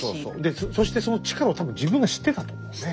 でそしてその力を多分自分が知ってたと思うね。